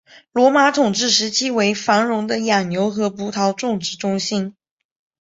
罗马统治时期为繁荣的养牛和葡萄种植中心。